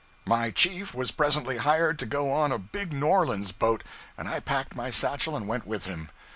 My chief was presently hired to go on a big New Orleans boat, and I packed my satchel and went with him.